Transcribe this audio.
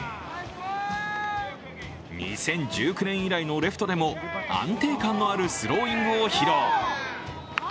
２０１９年以来のレフトでも安定感のあるスローイングを披露。